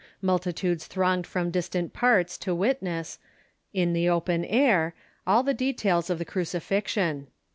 Multitudes thronged from distant parts to witness, in the open air, all the details of the crucifixion.